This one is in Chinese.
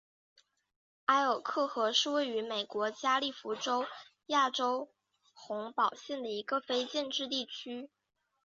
埃尔克河是位于美国加利福尼亚州洪堡县的一个非建制地区。